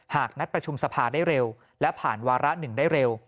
หากนัดประชุมสภาได้เร็วและผ่านวาระหนึ่งได้เร็ว